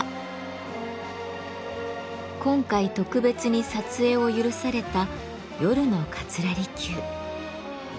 今回特別に撮影を許された夜の桂離宮。